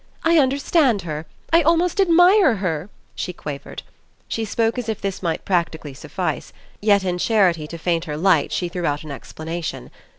"I understand her, I almost admire her!" she quavered. She spoke as if this might practically suffice; yet in charity to fainter lights she threw out an explanation.